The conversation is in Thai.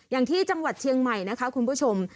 อย่างที่จังหวัดเชียงใหม่นะคะคุณผู้ชม